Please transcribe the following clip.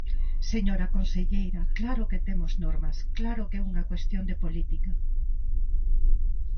Señora conselleira, ¡claro que temos normas!, ¡claro que é unha cuestión de política!